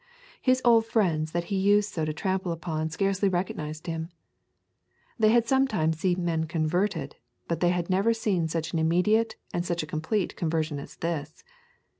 His old friends that he used so to trample upon scarcely recognised him. They had sometimes seen men converted, but they had never seen such an immediate and such a complete conversion as this.